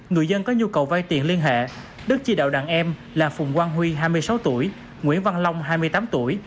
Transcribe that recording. người dân có nhu cầu vay tiền liên hệ đức chỉ đạo đàn em là phùng quang huy hai mươi sáu tuổi nguyễn văn long hai mươi tám tuổi